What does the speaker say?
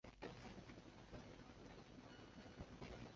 原始文献是用邻溴苯甲酸与丙二酸酯在乙醇钠存在下进行偶联。